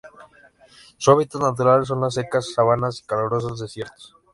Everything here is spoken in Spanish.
Su hábitat natural son las secas sabanas y calurosos desiertos.